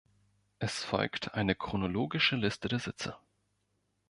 Es folgt eine chronologische Liste der Sitze.